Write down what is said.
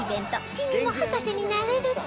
「君も博士になれる展」